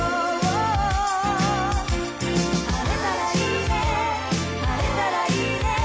「晴れたらいいね晴れたらいいね」